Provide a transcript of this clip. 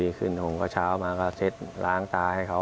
ขึ้นผมก็เช้ามาก็เซ็ตล้างตาให้เขา